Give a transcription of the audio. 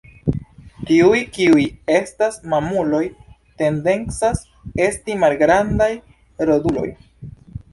Tiuj kiuj estas mamuloj tendencas esti malgrandaj roduloj.